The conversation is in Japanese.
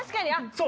そう！